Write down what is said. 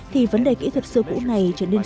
thì vấn đề kỹ thuật xưa cũ này trở nên